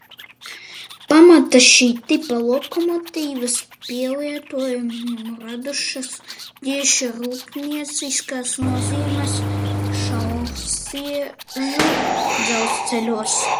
Pamatā šī tipa lokomotīves pielietojumu radušas tieši rūpnieciskas nozīmes šaursliežu dzelzceļos.